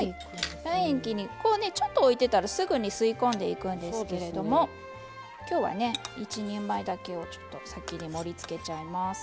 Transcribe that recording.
卵液にちょっと置いてたらすぐに吸い込んでいくんですけれども今日は１人前だけをちょっと先に盛りつけちゃいます。